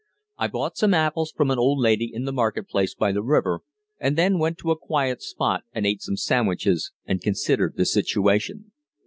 I bought some apples from an old lady in the market place by the river, and then went to a quiet spot and ate some sandwiches and considered the situation.